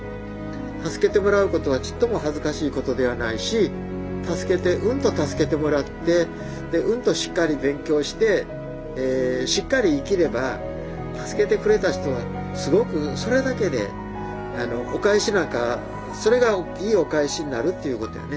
助けてもらうことはちっとも恥ずかしいことではないしうんと助けてもらってうんとしっかり勉強してしっかり生きれば助けてくれた人はすごくそれだけでお返しなんかそれがいいお返しになるっていうことやね。